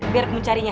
biar aku carinya